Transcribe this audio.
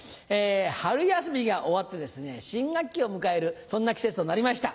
春休みが終わってですね新学期を迎えるそんな季節となりました。